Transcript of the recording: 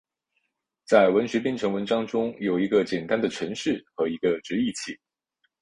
在文学编程文章中有一个简单的程式和一个直译器。